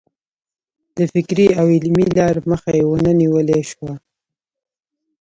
د فکري او علمي لار مخه یې ونه نیول شوه.